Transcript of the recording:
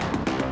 ya udah yaudah